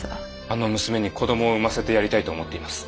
あの娘に子どもを産ませてやりたいと思っています。